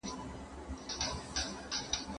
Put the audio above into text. مثبت فکر آرامتیا نه دروي.